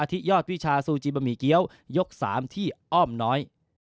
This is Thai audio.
ที่ยอดวิชาซูจิบะหมี่เกี้ยวยก๓ที่อ้อมน้อย